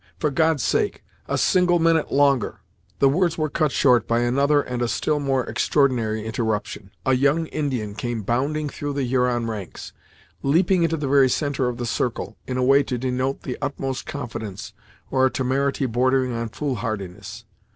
"For God's sake, a single minute longer " The words were cut short, by another and a still more extraordinary interruption. A young Indian came bounding through the Huron ranks, leaping into the very centre of the circle, in a way to denote the utmost confidence, or a temerity bordering on foolhardiness.